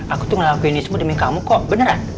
aku tuh ngelakuin ini semua demi kamu kok beneran